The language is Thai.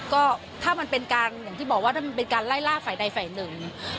ก็ถ้ามันเป็นการอย่างที่บอกว่าถ้ามันเป็นการไล่ล่าฝ่ายใดฝ่ายหนึ่ง